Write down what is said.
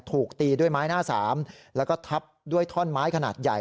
ถูกตีด้วยไม้หน้าสามแล้วก็ทับด้วยท่อนไม้ขนาดใหญ่